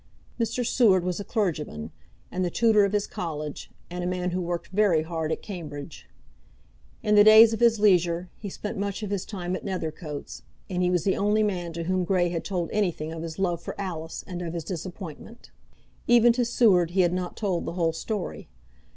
Mr. Seward was a clergyman, and the tutor of his college, and a man who worked very hard at Cambridge. In the days of his leisure he spent much of his time at Nethercoats, and he was the only man to whom Grey had told anything of his love for Alice and of his disappointment. Even to Seward he had not told the whole story.